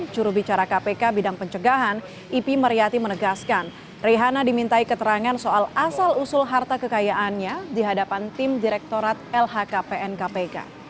curu bicara kpk bidang pencegahan ip meriati menegaskan reihana dimintai keterangan soal asal usul harta kekayaannya dihadapan tim direktorat lhkpn kpk